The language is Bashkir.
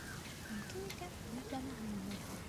Мөмкин икән, бер данаһын ебәрегеҙ.